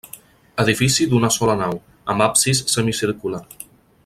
Edifici d'una sola nau, amb absis semicircular.